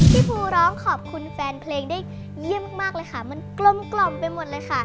พี่ภูร้องขอบคุณแฟนเพลงได้เยี่ยมมากเลยค่ะมันกลมกล่อมไปหมดเลยค่ะ